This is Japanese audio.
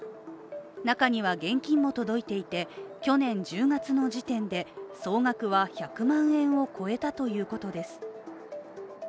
中には現金も届いていて去年１０月の時点で総額は１００万円を超えたということです。